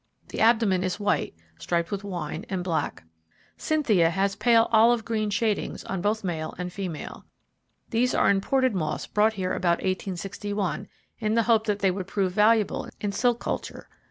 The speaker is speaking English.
The abdomen is white striped with wine and black. Cynthia has pale olive green shadings on both male and female. These are imported moths brought here about 1861 in the hope that they would prove valuable in silk culture.